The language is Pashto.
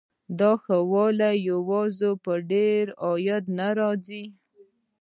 دا ښه والی یوازې په ډېر عاید نه راځي.